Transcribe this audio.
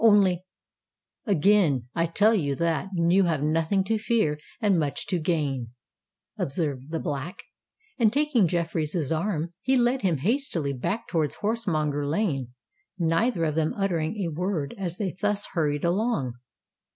"Only——" "Again I tell you that you have nothing to fear and much to gain," observed the Black; and taking Jeffreys' arm, he led him hastily back towards Horsemonger Lane, neither of them uttering a word as they thus hurried along.